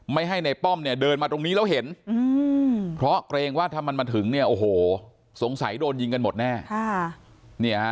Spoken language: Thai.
ไม่ให้ในป้อมเดินมาตรงนี้แล้วเห็นเพราะเกรงว่าถ้ามันมาถึงสงสัยโดนยิงกันหมดแน่